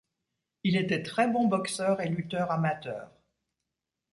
Il était très bon boxeur et lutteur amateur.